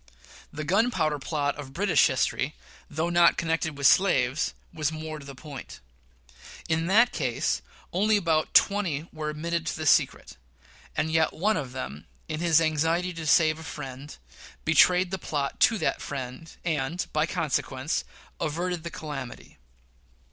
The gunpowder plot of British history, though not connected with slaves, was more in point. In that case, only about twenty were admitted to the secret; and yet one of them, in his anxiety to save a friend, betrayed the plot to that friend, and, by consequence, averted the calamity.